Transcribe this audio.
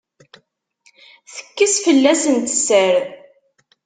Tekkes fell-asent sser.